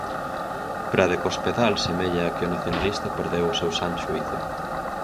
Para De Cospedal "semella" que o nacionalista "perdeu o seu san xuízo".